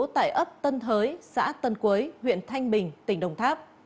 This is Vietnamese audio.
tại ấp tân thới xã tân quế huyện thanh bình tỉnh đồng tháp